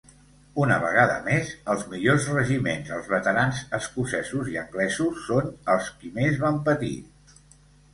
Una vegada més, els millors regiments, els veterans escocesos i anglesos, són els qui més van patir.